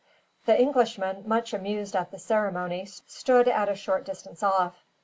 The Englishmen, much amused at the ceremony, stood at a short distance off.